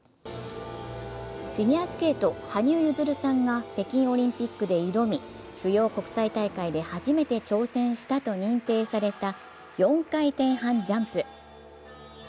フィギュアスケート・羽生結弦さんが北京オリンピックで挑み主要国際大会で初めて挑戦したと認定された４回転半ジャンプ。